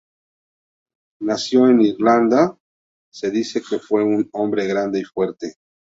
Nació en Irlanda, se dice que fue un hombre grande y fuerte.